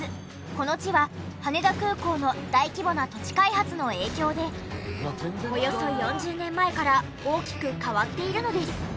この地は羽田空港の大規模な土地開発の影響でおよそ４０年前から大きく変わっているのです。